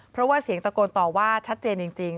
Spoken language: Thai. เพราะว่าเสียงตะโกนต่อว่าชัดเจนจริง